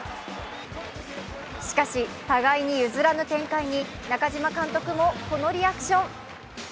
しかし互いに譲らぬ展開に中嶋監督もこのリアクション。